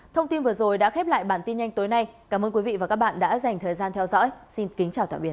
thông tin vừa rồi đã khép lại bản tin nhanh tối nay cảm ơn quý vị và các bạn đã dành thời gian theo dõi xin kính chào tạm biệt